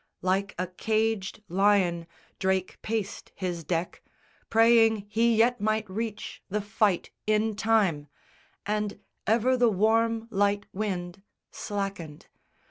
Like a caged lion Drake paced his deck, praying he yet might reach The fight in time; and ever the warm light wind Slackened.